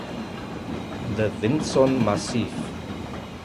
The Vinson Massif.